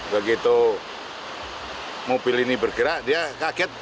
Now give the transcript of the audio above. begitu mobil ini bergerak dia kaget